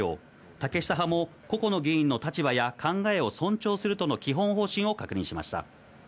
竹下派も個々の議員の立場や考えを尊重するとの基本方針を確認しました。